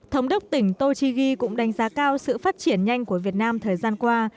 thống đốc tỉnh tochigi cũng đánh giá cao sự phát triển nhanh của việt nam thời gian qua